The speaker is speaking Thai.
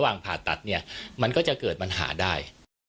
ผ่าตัดเนี่ยมันก็จะเกิดปัญหาได้